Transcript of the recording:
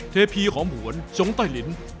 เทพีหอมหวนชงไต้ลิ้น